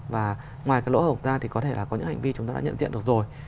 và ngoài cái lỗ hổng ra thì có thể là có những hành vi chúng ta đã nhận diện được rồi